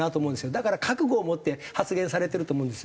だから覚悟を持って発言されてると思うんですね。